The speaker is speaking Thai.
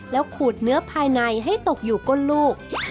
ขูดเนื้อภายในให้ตกอยู่ก้นลูก